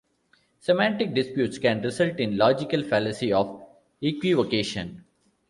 Semantic disputes can result in the logical fallacy of equivocation.